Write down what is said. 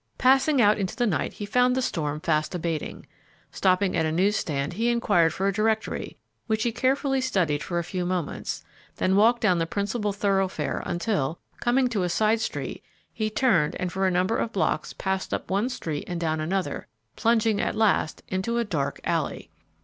Passing out into the night, he found the storm fast abating. Stopping at a news stand, he inquired for a directory, which he carefully studied for a few moments, then walked down the principal thoroughfare until, coming to a side street, he turned and for a number of blocks passed up one street and down another, plunging at last into a dark alley.